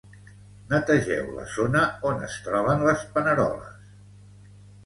Netegeu la zona on es troben les paneroles.